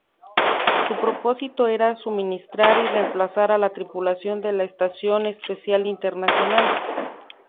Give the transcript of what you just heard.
Su propósito era suministrar y reemplazar a la tripulación de la Estación Espacial Internacional.